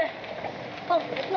pak lihat dulu